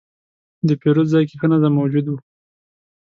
د پیرود ځای کې ښه نظم موجود و.